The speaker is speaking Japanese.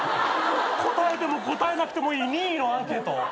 答えても答えなくてもいい任意のアンケート。